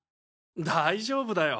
大丈夫だよ。